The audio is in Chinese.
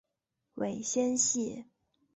尾纤细。